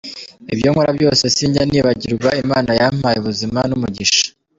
Ibyo nkora byose sinjya nibagirwa Imana yampaye ubuzima n’umugisha.